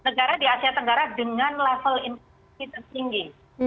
negara di asia tenggara dengan level inflasi tertinggi